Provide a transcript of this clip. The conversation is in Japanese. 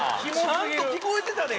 ちゃんと聞こえてたで？